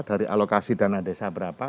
dari alokasi dana desa berapa